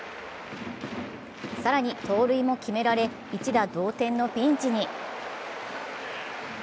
更に盗塁も決められ、一打同点のピンチに。